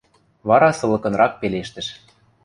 Вара сылыкынрак пелештӹш: